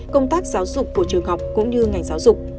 công tác giáo dục của trường học cũng như ngành giáo dục